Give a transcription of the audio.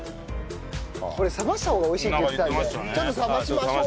これ冷ました方が美味しいって言ってたのでちょっと冷ましましょう。